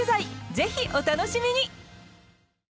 ぜひお楽しみに！